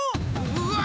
うわ！